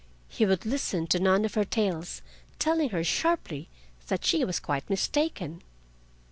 He would listen to none of her tales, telling her sharply that she was quite mistaken.